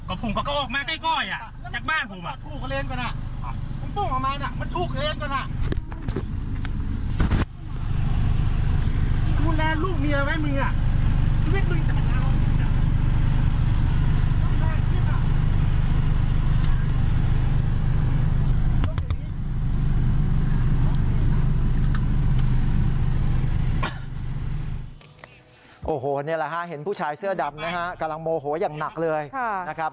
โอ้โหนี่แหละฮะเห็นผู้ชายเสื้อดำนะฮะกำลังโมโหอย่างหนักเลยนะครับ